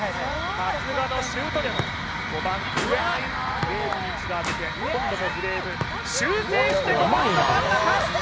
さすがのシュート力５番上フレームに一度当てて今度もフレーム修正して５番ど真ん中！